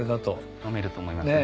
飲めると思いますね。